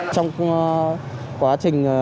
trong quá trình